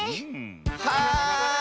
はい！